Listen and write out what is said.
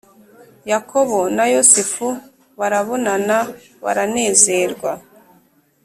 Yakobo na Yosefu barabonana baranezerwa